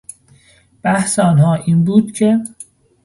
بحث آنها این بود که...